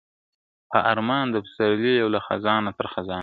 په ارمان د پسرلي یو له خزانه تر خزانه ..